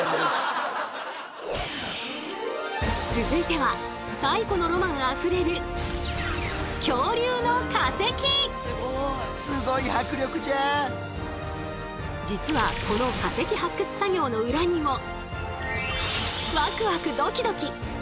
続いては太古のロマンあふれる実はこの化石発掘作業の裏にもワクワクドキドキ！